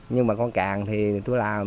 nhưng mà con càng thì tôi làm